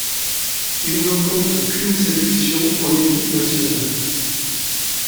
Il ne compte qu'une sélection en équipe nationale.